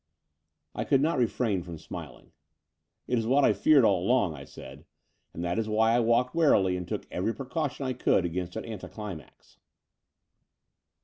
I could not refrain from smiling. "It is what I feared all along," I said; ''and that is why I walked warily and took every pre caution I could against an anticlimax."